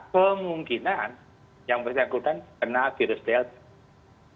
kemungkinan yang berjalan ke kota kena virus delta